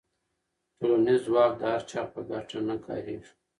ټولنیز ځواک د هر چا په ګټه نه کارېږي.